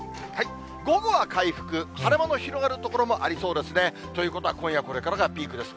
午後は回復、晴れ間の広がる所もありそうですね。ということは、今夜これからがピークです。